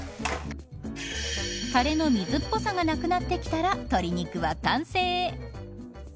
たれの水っぽさがなくなってきたら鶏肉は完成。